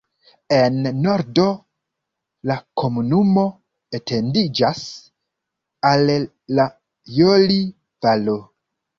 En nordo la komunumo etendiĝas al la Joli-Valo.